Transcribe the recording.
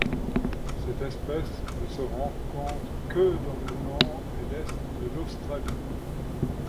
Cette espèce ne se rencontre que dans le nord et l'est de l'Australie.